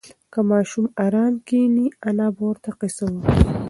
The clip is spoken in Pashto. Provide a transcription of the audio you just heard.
که ماشوم ارام کښېني، انا به ورته قصه وکړي.